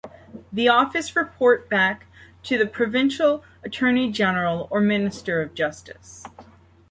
The office report back to the provincial Attorney General or Minister of Justice.